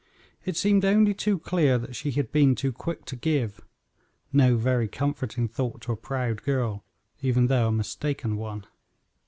It seemed only too clear that she had been too quick to give no very comforting thought to a proud girl, even though a mistaken one.